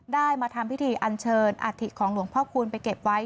มาทำพิธีอันเชิญอาทิตของหลวงพ่อคูณไปเก็บไว้